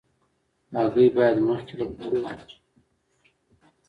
هګۍ باید مخکې له خوړلو وینځل شي.